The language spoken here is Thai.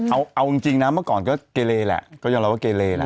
เอาเอาจริงจริงนะเมื่อครั้งก็เกเลแหละก็ยังเล่าว่าเกเลแหละ